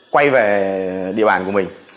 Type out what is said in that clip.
quay về địa bàn của mình